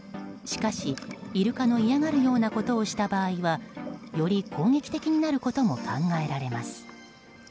しかし、イルカの嫌がるようなことをした場合はより攻撃的になることも考えられます。